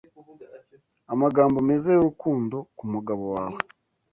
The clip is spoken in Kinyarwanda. amagambo meza y'urukundo kumugabo wawe